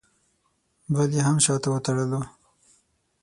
بل یې هم شاته وتړلو.